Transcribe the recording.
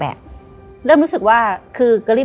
และยินดีต้อนรับทุกท่านเข้าสู่เดือนพฤษภาคมครับ